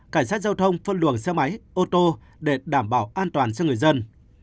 cảnh sát giao thông phân luồng xe máy ô tô để đảm bảo an toàn cho người dân